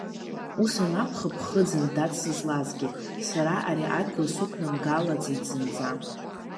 Ус анакәха, ԥхыӡын, дад, сызлазгьы, сара ари адгьыл сықәнамгалаӡеит зынӡа!